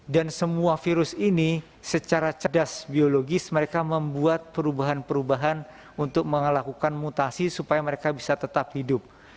dan semua virus ini secara cerdas biologis mereka membuat perubahan perubahan untuk melakukan mutasi supaya mereka bisa tetap hidup